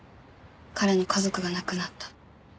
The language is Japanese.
彼の家族が亡くなった。